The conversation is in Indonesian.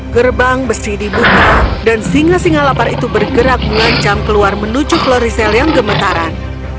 gerbang besi dibuka dan singa singa lapar itu bergerak mengancam keluar menuju florisel yang gemetaran